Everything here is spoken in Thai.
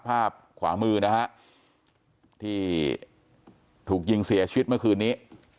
ภาพขวามือนะฮะที่ถูกยิงเสียชีวิตเมื่อคืนนี้